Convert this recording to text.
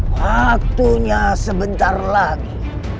waktunya sebentar lagi